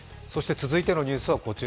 続いてのニュースはこちら